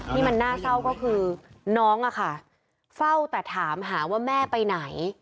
ที่มันน่าเศร้าก็คือน้องอะค่ะเฝ้าแต่ถามหาว่าแม่ไปไหน